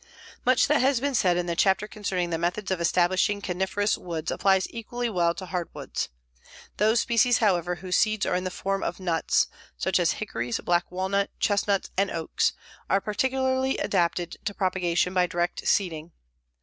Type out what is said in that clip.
Much that has been said in the chapter concerning the methods of establishing coniferous woods applies equally well to hardwoods. Those species, however, whose seeds are in the form of nuts, such as hickories, black walnut, chestnuts, and oaks, are particularly adapted to propagation by direct seeding.